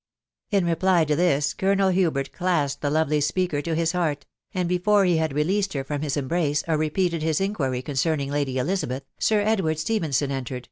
m f& reply to ants, GaWnet afcfcitilaaued <he lavely apeafcer «• &as heart: ; and feefisrelie had released her from his embrace or repeated his inquiry concerning Lady Elizabeth, Sir Edward Stephenson entered.